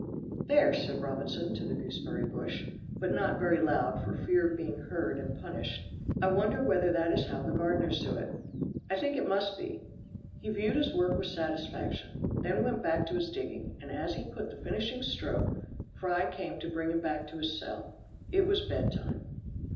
"There," said Robinson, to the gooseberry bush, but not very loud for fear of being heard and punished, "I wonder whether that is how the gardeners do it. I think it must be." He viewed his work with satisfaction, then went back to his digging, and as he put the finishing stroke Fry came to bring him back to his cell. It was bedtime.